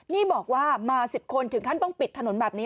นี่บอกว่ามา๑๐คนถึงขั้นต้องปิดถนนแบบนี้